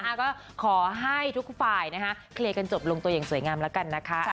ก็ขอให้ทุกฝ่ายนะคะเคลียร์กันจบลงตัวอย่างสวยงามแล้วกันนะคะ